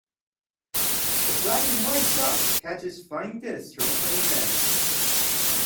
A black and white dog catches flying discs thrown by a man.